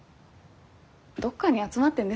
どっかに集まってんですかね？